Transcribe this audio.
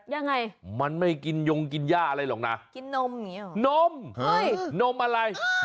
ยังไงมันไม่กินยงกินย่าอะไรหรอกน่ะ